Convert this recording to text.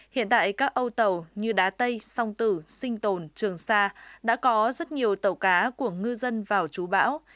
hiện tại các âu tàu như đá tây song tử sinh tồn trường sa đã có rất nhiều tàu cá của ngư dân vào chú bão